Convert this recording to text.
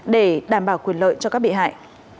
để đảm bảo quyền lợi cho các bị hại